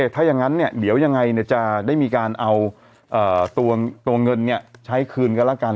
ถ้ายังงั้นเนี่ยเดี๋ยวยังไงเนี่ยจะได้มีการเอาตัวเงินเนี่ยใช้คืนกันละกัน